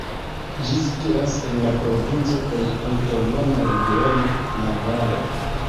Ĝi situas en la provinco kaj aŭtonoma regiono Navaro.